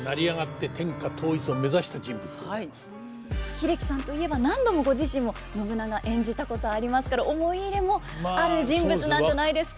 英樹さんといえば何度もご自身も信長演じたことありますから思い入れもある人物なんじゃないですか。